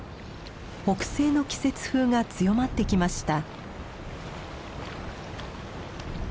北西の季節風が強まってきました。